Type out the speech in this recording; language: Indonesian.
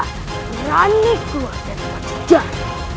berani keluar dari panjang